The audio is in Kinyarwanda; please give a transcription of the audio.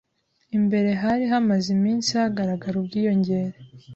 imbere hari hamaze iminsi hagaragara ubwiyongere